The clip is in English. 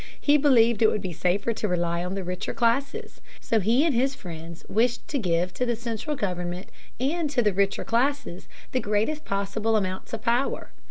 He believed it would be safer to rely on the richer classes. So he and his friends wished to give to the central government and to the richer classes the greatest possible amount of power.